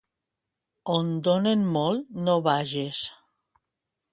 On donen molt, no vages.